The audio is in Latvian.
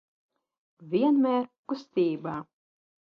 Vienmēr kustībā.